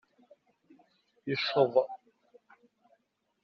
Yecceḍ.